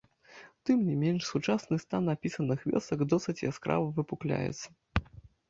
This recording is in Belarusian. Тым не менш сучасны стан апісаных вёсак досыць яскрава выпукляецца.